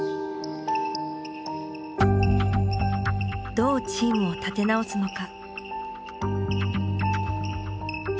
どうチームを立て直すのか。